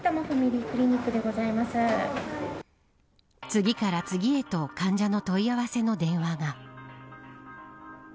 次から次へと患者の問い合わせの電話が。